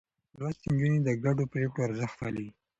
لوستې نجونې د ګډو پرېکړو ارزښت پالي.